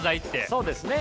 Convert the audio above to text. そうですね。